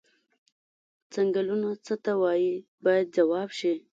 څنګلونه څه ته وایي باید ځواب شي.